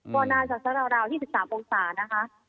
ก็น่าจะสักราว๒๓องศานะคะ